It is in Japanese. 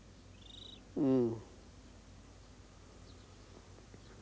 うん。